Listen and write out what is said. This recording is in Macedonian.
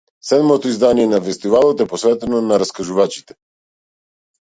Седмото издание на фестивалот е посветено на раскажувачите.